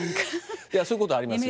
そういうことありますよ。